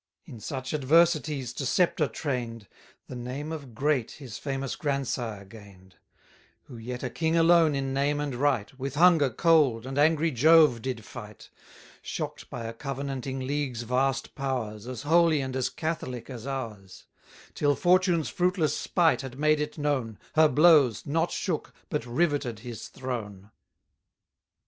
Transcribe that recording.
In such adversities to sceptre train'd, The name of Great his famous grandsire gain'd: Who yet a king alone in name and right, With hunger, cold, and angry Jove did fight; 100 Shock'd by a covenanting league's vast powers, As holy and as catholic as ours: Till fortune's fruitless spite had made it known, Her blows, not shook, but riveted, his throne.